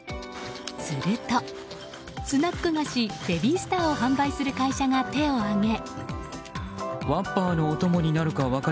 するとスナック菓子ベビースターを販売する会社が手を挙げ。